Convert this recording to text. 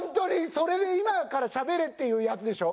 それで今からしゃべれっていうやつでしょ？